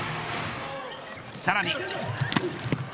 さらに。